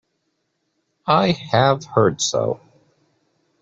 I have heard so.